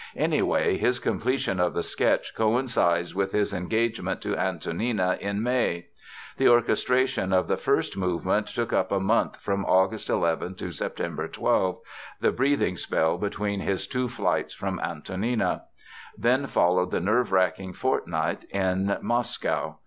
Anyway, his completion of the sketch coincides with his engagement to Antonina in May. The orchestration of the first movement took up a month, from August 11 to September 12—the breathing spell between his two flights from Antonina. Then followed the nerve racking fortnight in Moscow.